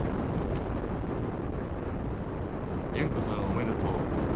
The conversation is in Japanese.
「純子さんおめでとう。